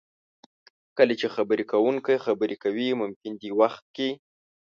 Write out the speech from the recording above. کله چې خبرې کوونکی خبرې کوي ممکن دې وخت کې